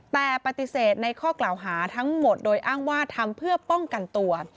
แต่ปฏิเสธในข้อกล่าวหาทั้งหมดโดยอ้างว่าทำเพื่อป้องกันตัว